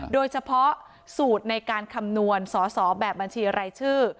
โดยเฉพาะสูตรในการคำนวณสอสอแบบบัญชีรายชื่อ